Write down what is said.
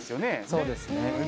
そうですね。